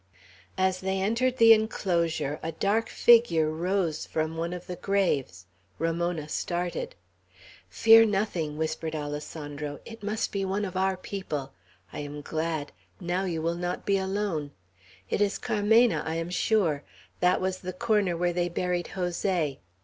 As they entered the enclosure, a dark figure rose from one of the graves. Ramona started. "Fear nothing," whispered Alessandro. "It must be one of our people. I am glad; now you will not be alone. It is Carmena, I am sure. That was the corner where they buried Jose.